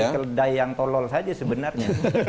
keledai yang tolol saja sebenarnya